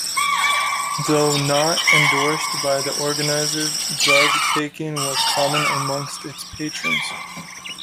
Though not endorsed by the organisers drug taking was common amongst its patrons.